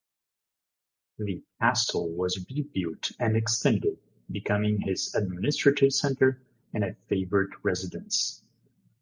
The castle was rebuilt and extended, becoming his administrative center and a favourite residence.